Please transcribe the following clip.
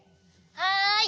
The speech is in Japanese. はい。